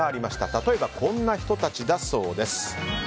例えば、こんな人たちだそうです。